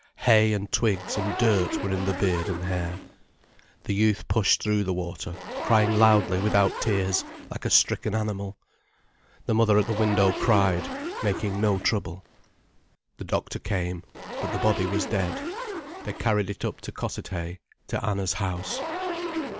Hay and twigs and dirt were in the beard and hair. The youth pushed through the water crying loudly without tears, like a stricken animal. The mother at the window cried, making no trouble. The doctor came. But the body was dead. They carried it up to Cossethay, to Anna's house.